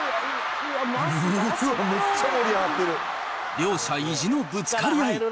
両者意地のぶつかり合い。